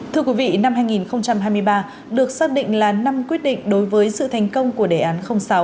thưa quý vị năm hai nghìn hai mươi ba được xác định là năm quyết định đối với sự thành công của đề án sáu